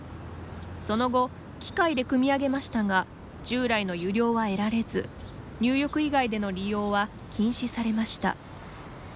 その後機械でくみ上げましたが従来の湯量は得られず入浴以外での利用は禁止されました。